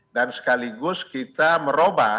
dan sekaligus kita merubah